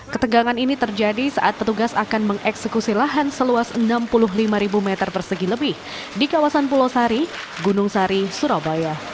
ketegangan ini terjadi saat petugas akan mengeksekusi lahan seluas enam puluh lima meter persegi lebih di kawasan pulau sari gunung sari surabaya